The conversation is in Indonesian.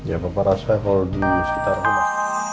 ya papa rasa hold di sekitar rumah